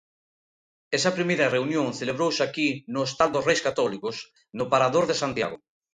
Esa primeira reunión celebrouse aquí no hostal dos Reis Católicos, no Parador de Santiago.